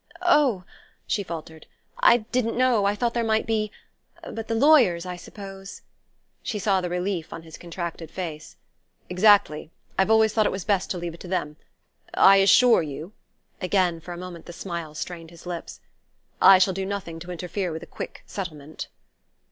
"Oh," she faltered, "I didn't know... I thought there might be.... But the lawyers, I suppose...." She saw the relief on his contracted face. "Exactly. I've always thought it was best to leave it to them. I assure you" again for a moment the smile strained his lips "I shall do nothing to interfere with a quick settlement."